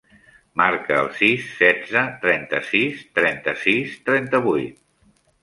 Marca el sis, setze, trenta-sis, trenta-sis, trenta-vuit.